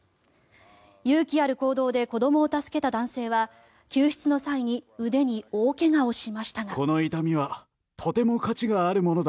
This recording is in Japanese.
勇気ある行動で子どもを助けた男性は救出の際に腕に大怪我をしましたが。